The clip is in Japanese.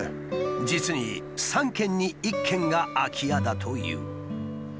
実に３軒に１軒が空き家だという。